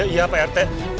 iya pak rt